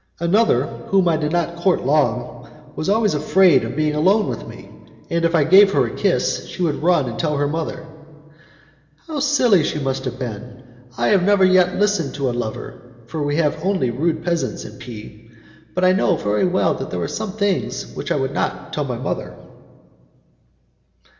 "Another, whom I did not court long, was always afraid of being alone with me, and if I gave her a kiss she would run and tell her mother." "How silly she must have been! I have never yet listened to a lover, for we have only rude peasants in P , but I know very well that there are some things which I would not tell my mother."